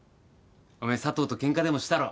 おめえ佐藤とケンカでもしたろ？